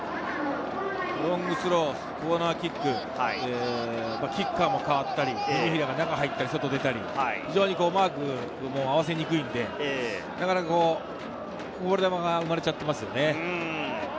ロングスロー、コーナーキック、キッカーも変わったり、文平が中に入ったり外に出たり、マークが合わせにくいので、こぼれ球が生まれちゃっていますよね。